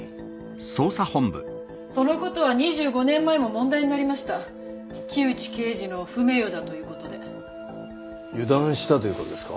そのことは２５年前も問題になりました木内刑事の不名誉だということで油断したということですか？